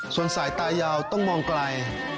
ส่วนสายตายาวต้องมองไกล